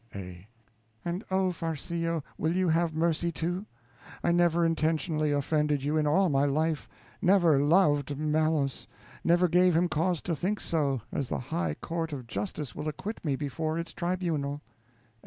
A. And, oh, Farcillo, will you have mercy, too? I never intentionally offended you in all my life, never _loved _Malos, never gave him cause to think so, as the high court of Justice will acquit me before its tribunal.